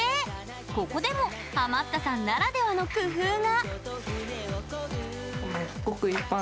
ここでもハマったさんならではの工夫が。